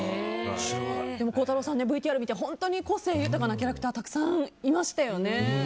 孝太郎さん、ＶＴＲ見て本当に個性豊かなキャラクターがたくさんいましたよね。